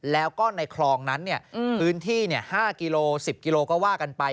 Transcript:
แล้วก็ในคลองนั้นพื้นที่๕กิโล๑๐กิโลก็ว่ากันไป